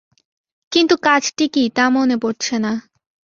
কিন্তু কাজটি কী, তা মনে পড়ছে না।